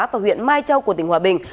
và huyện mai châu của tỉnh hòa bình